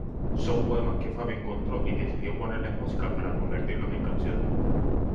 Son poemas que Fabi encontró y decidió ponerles música para convertirlos en canciones.